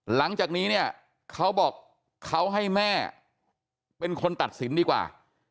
หลังจากนี้เนี่ยเขาบอกเขาให้แม่เป็นคนตัดสินดีกว่า